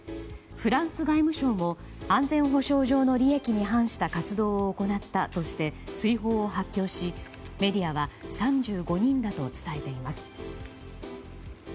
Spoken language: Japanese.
フランス外務省も安全保障上の利益に反した活動を行ったとして追放を発表しメディアは３５人だと伝えています。